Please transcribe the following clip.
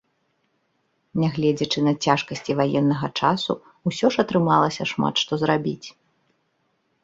Нягледзячы на цяжкасці ваеннага часу, усё ж атрымалася шмат што зрабіць.